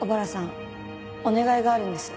お願いがあるんです。